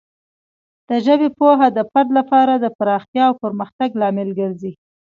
د ژبې پوهه د فرد لپاره د پراختیا او پرمختګ لامل ګرځي.